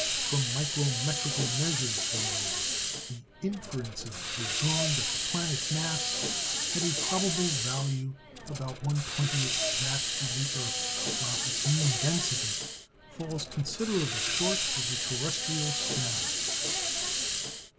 From micrometrical measures, moreover, the inferences were drawn that the planet's mass has a probable value about 1/20 that of the earth, while its mean density falls considerably short of the terrestrial standard.